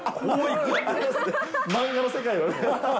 漫画の世界。